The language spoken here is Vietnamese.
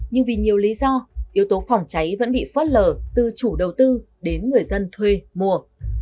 nhưng vì nhiều lý do yếu tố phòng cháy vẫn bị phớt lờ từ chủ đầu tư đến người dân thuê mua